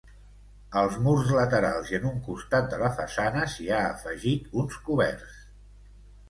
Als murs laterals i en un costat de la façana s'hi ha afegit uns coberts.